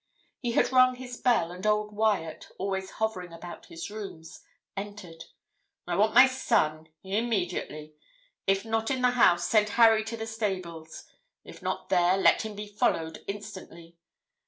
He had rung his bell, and old Wyat, always hovering about his rooms, entered. 'I want my son, immediately. If not in the house, send Harry to the stables; if not there, let him be followed, instantly.